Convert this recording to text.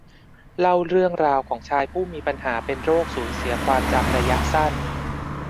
เล่าเรื่องราวของชายผู้มีปัญหาเป็นโรคสูญเสียความจำระยะสั้น